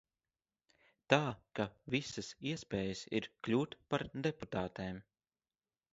Tā ka visas iespējas ir kļūt par deputātēm.